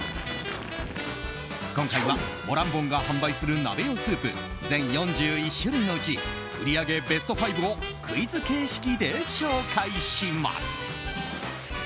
今回はモランボンが販売する鍋用スープ全４１種類のうち売上ベスト５をクイズ形式で紹介します。